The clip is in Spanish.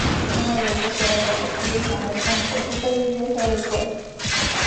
Uno de ellos era el elegido y Samuel, como profeta, debía saber cual.